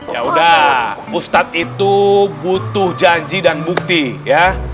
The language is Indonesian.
ya udah ustadz itu butuh janji dan bukti ya